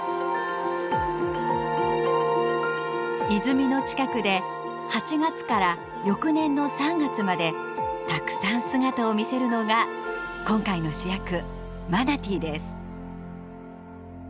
泉の近くで８月から翌年の３月までたくさん姿を見せるのが今回の主役マナティーです。